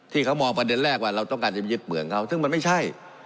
ที่เขามองประเด็นแรกว่าเราต้องการจะมายึดเมืองเขาซึ่งมันไม่ใช่